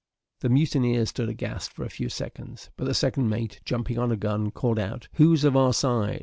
The mutineers stood aghast for a few seconds; but the second mate, jumping on a gun, called out, "Who's of our side?